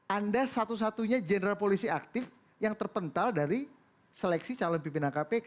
anda satu satunya jenderal polisi aktif yang terpental dari seleksi calon pimpinan kpk